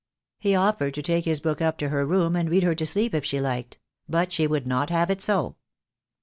He offered to take his book up to her room and read her to sleep, if she liked; but she would not have it so.